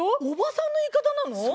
おばさんの言い方なの？